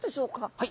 はい。